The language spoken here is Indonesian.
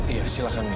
iya silahkan mila